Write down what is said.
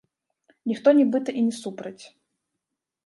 Ніхто нібыта й не супраць.